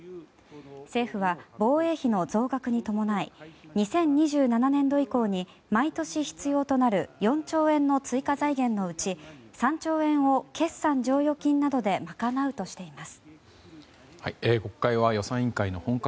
政府は防衛費の増額に伴い２０２７年度以降に毎年必要となる４兆円の追加財源のうち３兆円を決算剰余金などでまかなうとしています。